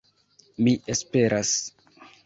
Mi esperas.